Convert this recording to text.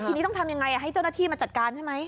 ทีนี้ต้องทำยังไงให้เจ้าหน้าที่มาจัดการใช่ไหม